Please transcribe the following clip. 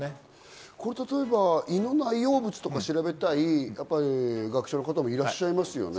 これ例えば、胃の内容物を調べたり、そういう学者の方もいらっしゃいますよね。